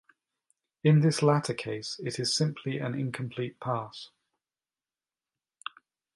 In this latter case, it is simply an incomplete pass.